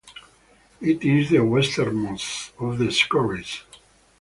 It is the westernmost of the skerries.